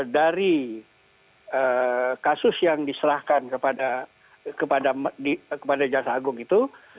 dari kasus yang diserahkan kepada jaksagung itu